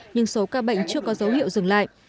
nhưng số ca bệnh chưa có dấu hiệu dừng lại